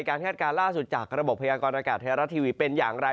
คาดการณ์ล่าสุดจากระบบพยากรณากาศไทยรัฐทีวีเป็นอย่างไร